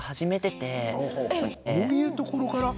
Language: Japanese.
どういうところから？